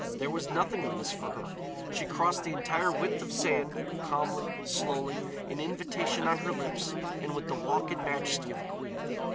There was nothing of this for her. She crossed the entire width of sand, calmly, slowly, an invitation on her lips and with the walk and majesty of a queen.